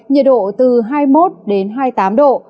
nhiệt độ từ hai mươi một hai mươi tám độ